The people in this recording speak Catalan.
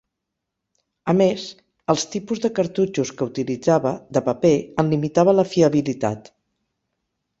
A més, els tipus de cartutxos que utilitzava, de paper, en limitava la fiabilitat.